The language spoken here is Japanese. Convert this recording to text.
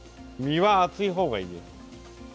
身は厚いほうがいいです。